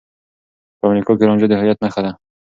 په امريکا کې رانجه د هويت نښه ده.